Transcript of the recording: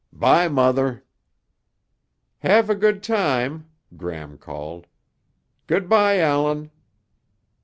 "'Bye, Mother." "Have a good time," Gram called. "Good by, Allan."